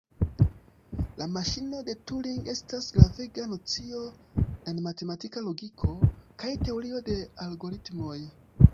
La maŝino de Turing estas gravega nocio en matematika logiko kaj teorio de algoritmoj.